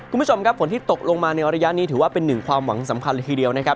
คุณผู้ชมครับฝนที่ตกลงมาในระยะนี้ถือว่าเป็นหนึ่งความหวังสำคัญเลยทีเดียวนะครับ